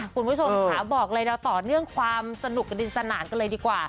คุณผู้ชมค่ะบอกเลยเราต่อเนื่องความสนุกกับดินสนานกันเลยดีกว่า